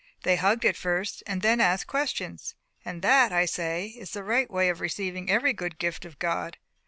They hugged it first, and then asked questions. And that, I say, is the right way of receiving every good gift of God.